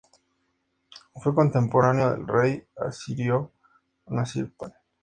Fue contemporáneo del rey asirio Aššur-nasir-pal.